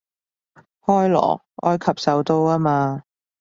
開羅，埃及首都吖嘛